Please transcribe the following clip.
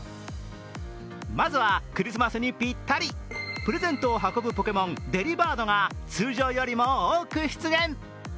まずはクリスマスにぴったり、プレゼントを運ぶポケモン、デリバードが通常よりも多く出現。